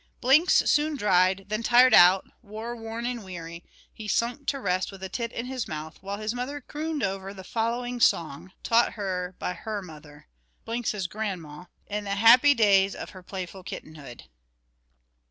Blinks soon dried; then tired out, war worn, and weary, he sunk to rest with a tit in his mouth, while his mother crooned over the following song, taught her by her mother, Blink's grandma, in the happy days of her playful kittenhood.